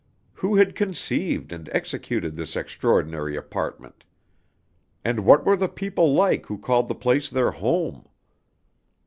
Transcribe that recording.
Who had conceived and executed this extraordinary apartment? And what were the people like who called the place their home?